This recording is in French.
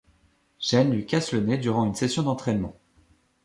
Gene lui casse le nez durant une session d'entraînement.